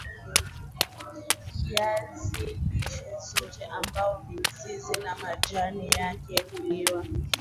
viazi lishe zao ambalo mizizi na majani yake huliwa